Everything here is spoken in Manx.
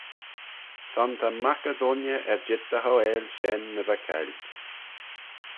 Son ta mac y dooinney er-jeet dy hauail shen ny va cailt.